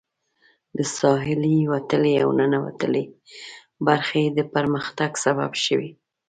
د ساحلي وتلې او ننوتلې برخې د پرمختګ سبب شوي.